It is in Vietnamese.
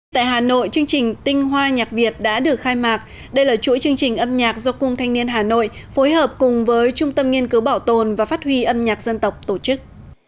tại hà nội chương trình tinh hoa nhạc việt đã được khai mạc đây là chuỗi chương trình âm nhạc do cung thanh niên hà nội phối hợp cùng với trung tâm nghiên cứu bảo tồn và phát huy âm nhạc dân tộc tổ chức